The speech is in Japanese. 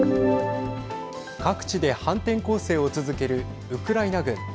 各地で反転攻勢を続けるウクライナ軍。